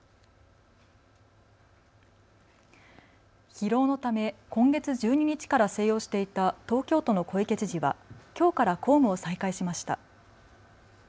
疲労のため今月１２日から静養していた東京都の小池知事はきょうから公務を再開しました。